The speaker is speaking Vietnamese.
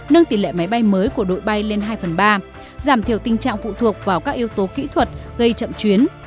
nâng tỷ lệ máy bay mới của đội bay lên hai phần ba giảm thiểu tình trạng phụ thuộc vào các yếu tố kỹ thuật gây chậm chuyến